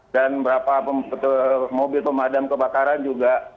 dan beberapa mobil pemadam kebakaran juga